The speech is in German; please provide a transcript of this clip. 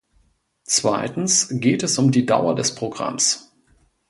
Zweitens geht es um die Dauer des Programms.